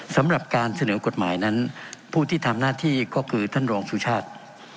สำหรับการเสนอกฎหมายนั้นผู้ที่ทำหน้าที่ก็คือท่านรองสุชาติ